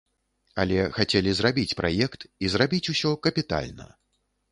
Але хацелі зрабіць праект і зрабіць усё капітальна.